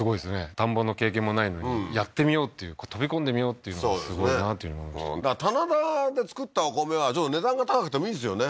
田んぼの経験もないのにやってみようっていう飛び込んでみようっていうのがすごいなっていうふうに思いました棚田で作ったお米はちょっと値段が高くてもいいですよね